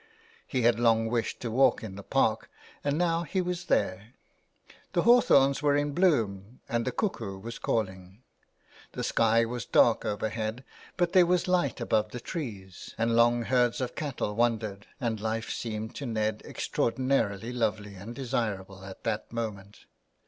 He had long wished to walk in the park and now he was there. The hawthorns were in bloom and the cuckoo was calling. The sky was dark over head, but there was light above the trees, and long herds of cattle wandered and life seemed to Ned extraordinarily lovely and desirable at that moment.